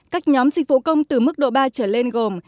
các nhóm dịch vụ công từ mức độ ba trở lên gồm